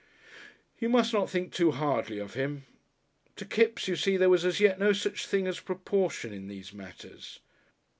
You must not think too hardly of him. To Kipps you see there was as yet no such thing as proportion in these matters.